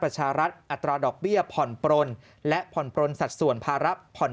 ประชารัฐอัตราดอกเบี้ยผ่อนปลนและผ่อนปลนสัดส่วนภาระผ่อน